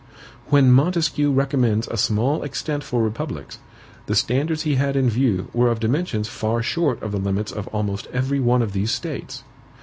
When Montesquieu recommends a small extent for republics, the standards he had in view were of dimensions far short of the limits of almost every one of these States.